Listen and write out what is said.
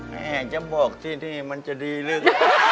อยากจะบอกที่นี่มันจะดีลึก